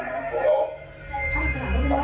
อะไรกันเผื่อหรืออยาก